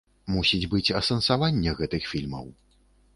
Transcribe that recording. Мусіць быць асэнсаванне гэтых фільмаў.